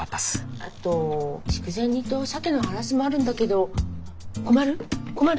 あと筑前煮とシャケのハラスもあるんだけど困る？